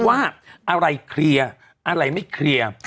ว่าอะไรเคลียร์อะไรไม่เคลียร์